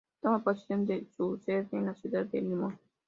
Toma posesión de su Sede, en la Ciudad de Limón.